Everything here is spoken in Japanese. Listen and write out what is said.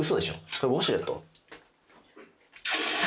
これウォシュレット？